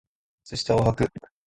靴下をはく